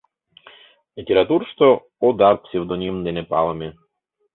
Литературышто Одар псевдоним дене палыме.